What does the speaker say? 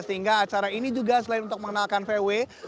sehingga acara ini juga selain untuk mengenalkan vw